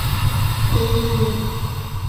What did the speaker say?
Evem.